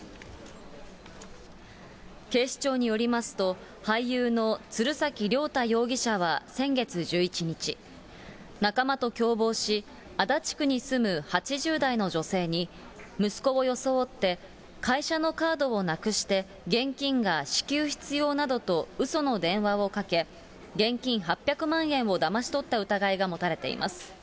警視庁によりますと、俳優の鶴崎綾太容疑者は先月１１日、仲間と共謀し、足立区に住む８０代の女性に、息子を装って会社のカードをなくして現金が至急必要などとうその電話をかけ、現金８００万円をだまし取った疑いが持たれています。